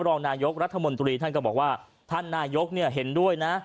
รองนายกรัฐมนตรีท่านก็บอกว่าท่านนายกเห็นด้วยนะ